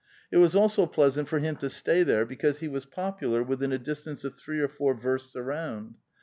It was also pleasant for him to stay there because he was popular within a dis tance of three or four versts around.